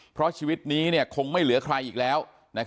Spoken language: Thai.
เพราะชีวิตนี้คงไม่เหลือใครอีกแล้ว